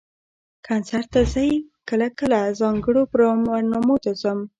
کنسرټ ته ځئ؟ کله کله، ځانګړو برنامو ته ځم